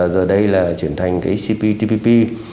giờ đây là chuyển thành cái cptpp